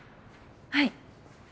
はい。